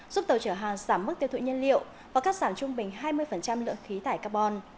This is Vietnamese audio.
giúp tàu chở hàng giảm mức tiêu thụ nhân liệu và cắt giảm trung bình hai mươi lượng khí thải carbon